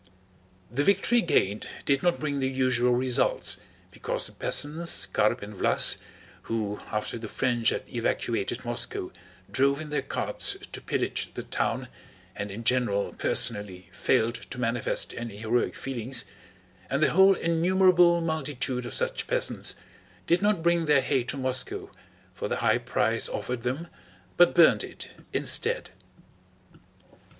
The victory gained did not bring the usual results because the peasants Karp and Vlas (who after the French had evacuated Moscow drove in their carts to pillage the town, and in general personally failed to manifest any heroic feelings), and the whole innumerable multitude of such peasants, did not bring their hay to Moscow for the high price offered them, but burned it instead.